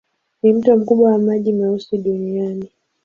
Ni mto mkubwa wa maji meusi duniani.